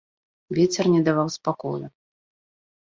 Вецер не даваў спакою.